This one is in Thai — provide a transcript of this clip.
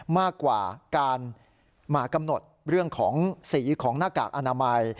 มากกว่าการมากำหนดเรื่องของสีของหน้ากากอนามัย